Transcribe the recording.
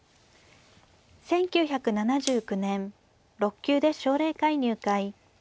１９７９年６級で奨励会入会。